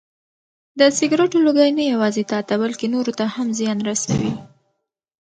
د سګرټو لوګی نه یوازې تاته بلکې نورو ته هم زیان رسوي.